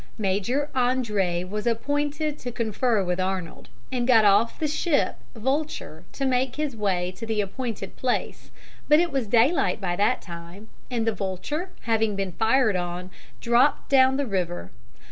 Major André was appointed to confer with Arnold, and got off the ship Vulture to make his way to the appointed place, but it was daylight by that time, and the Vulture, having been fired on, dropped down the river.